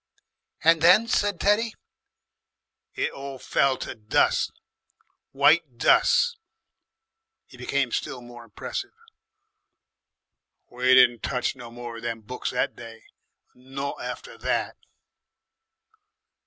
"And then?" said Teddy. "It all fell to dus'. White dus'!" He became still more impressive. "We didn't touch no more of them books that day. Not after that."